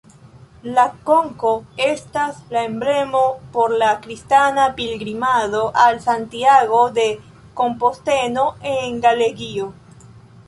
La konko estas la emblemo por la kristana pilgrimado al Santiago-de-Kompostelo en Galegio.